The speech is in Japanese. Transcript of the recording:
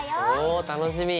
おお楽しみ！